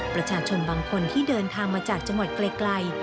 ประชาชนบางคนที่เดินทางมาจากจังหวัดไกล